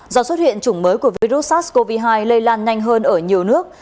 do xuất hiện chủng mới của virus sars cov hai lây lan nhanh hơn ở nhiều nước